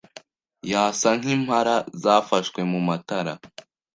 Yasa nkimpala zafashwe mumatara.